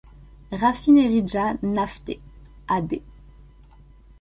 Rafinerija Nafte a.d.